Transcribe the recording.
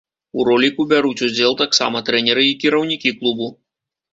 У роліку бяруць удзел таксама трэнеры і кіраўнікі клубу.